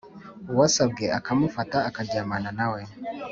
uwasabwe akamufata akaryamana na we